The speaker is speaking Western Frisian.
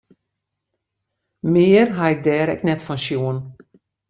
Mear ha ik dêr ek net fan sjoen.